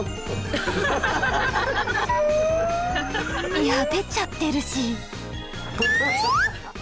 いや出ちゃってるし！